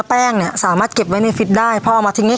มันจะเป็นรุ่นที่หนานะ